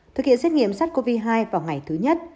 thực hiện xét nghiệm sát covid hai vào ngày thứ nhất